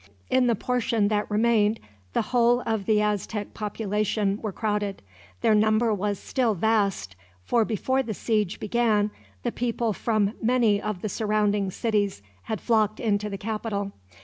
In the portion that remained the whole of the Aztec population were crowded. Their number was still vast, for before the siege began the people from many of the surrounding cities had flocked into the capital.